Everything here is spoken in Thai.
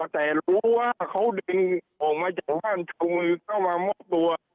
แต่รู้ว่าเขาดึงออกมาจากบ้านจงมือเข้ามามอบตัว